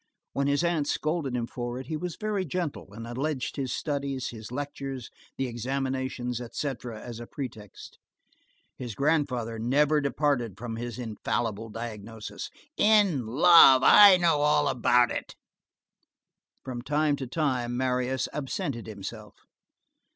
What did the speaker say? When his aunt scolded him for it, he was very gentle and alleged his studies, his lectures, the examinations, etc., as a pretext. His grandfather never departed from his infallible diagnosis: "In love! I know all about it." From time to time Marius absented himself.